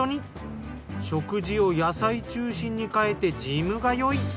食事を野菜中心に変えてジム通い。